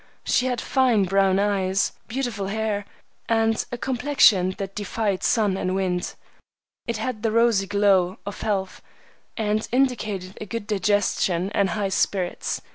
She had fine, brown eyes, beautiful hair, and a complexion that defied sun and wind. It had the rosy glow of health, and indicated a good digestion and high spirits. Mr.